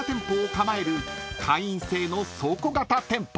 構える会員制の倉庫型店舗］